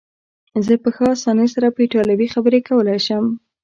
زه په ښه اسانۍ سره په ایټالوي خبرې کولای شم.